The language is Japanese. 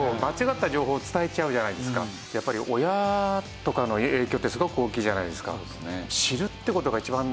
やっぱり親とかの影響ってすごく大きいじゃないですか。